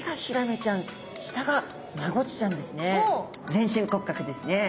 全身骨格ですね。